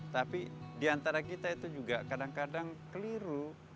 tapi diantara kita itu juga kadang kadang keliru